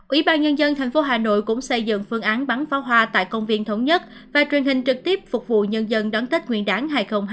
ủy ban nhân dân tp hà nội cũng xây dựng phương án bắn pháo hoa tại công viên thống nhất và truyền hình trực tiếp phục vụ nhân dân đón tết nguyên đáng hai nghìn hai mươi bốn